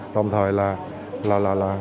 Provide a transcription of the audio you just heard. đồng thời là